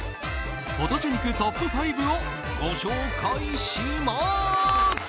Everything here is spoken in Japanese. フォトジェ肉トップ５をご紹介します！